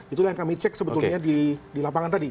itulah yang kami cek sebetulnya di lapangan tadi